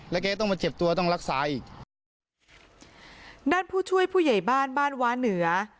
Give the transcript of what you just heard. แล้วแกต้องมาเจ็บตัวต้องรักษาอีกด้านผู้ช่วยผู้ใหญ่บ้านบ้านว้าเหนือ